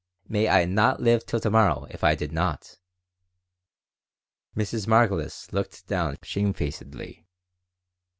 May I not live till to morrow if I did not." Mrs. Margolis looked down shamefacedly.